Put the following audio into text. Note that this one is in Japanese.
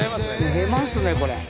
寝ますねこれ。